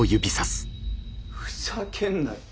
ふざけんなよ。